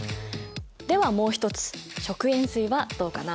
ではもう一つ食塩水はどうかな？